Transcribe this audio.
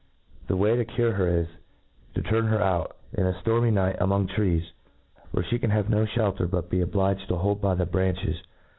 The way to cure her is, to turn her out, in a ftormy night, among trees, where flie can have no flielter, but be obliged to hold by the branches.